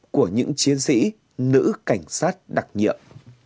của những chiến sĩ nữ cảnh sát đặc nhiệm